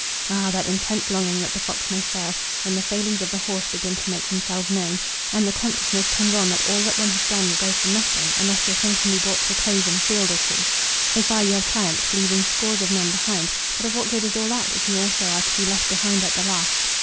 Ah! that intense longing that the fox may fail, when the failings of the horse begin to make themselves known, and the consciousness comes on that all that one has done will go for nothing unless the thing can be brought to a close in a field or two! So far you have triumphed, leaving scores of men behind; but of what good is all that, if you also are to be left behind at the last?